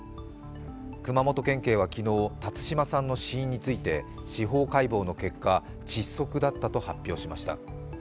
熊本県警は昨日辰島さんの死因について司法解剖の結果、窒息だったと発表しました。